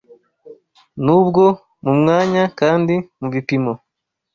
nubwo, mu mwanya Kandi mubipimo